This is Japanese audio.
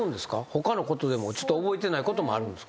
他のことでもちょっと覚えてないこともあるんです？